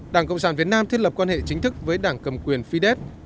đảng cộng sản việt nam thiết lập quan hệ chính thức với đảng cầm quyền fidesh